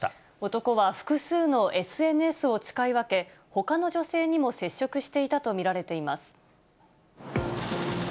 男は複数のＳＮＳを使い分け、ほかの女性にも接触していたと見られています。